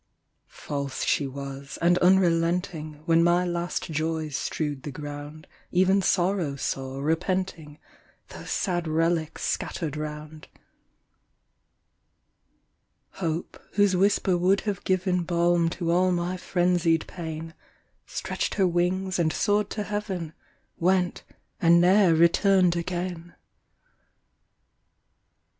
False she was, and unrelenting; When my last joys strewed the ground, Even Sorrow saw, repenting, Those sad relics scattered round; Hope, whose whisper would have given Balm to all my frenzied pain, Stretched her wings, and soared to heaven, Went, and ne'er returned again!